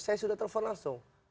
saya sudah telpon langsung